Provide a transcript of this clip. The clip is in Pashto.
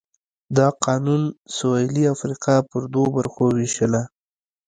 دا قانون سوېلي افریقا پر دوو برخو ووېشله.